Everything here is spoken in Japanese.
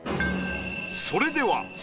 それでは。